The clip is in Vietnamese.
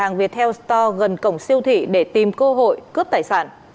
hoàng đi bộ đến đối diện cửa hàng viettel store gần cổng siêu thị để tìm cơ hội cướp tài sản